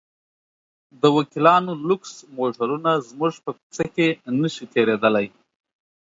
د وکیلانو لوکس موټرونه زموږ په کوڅه کې نه شي تېرېدلی.